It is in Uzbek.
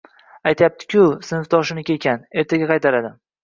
Aytyapti-ku sinfdoshiniki ekan, ertaga qaytaradi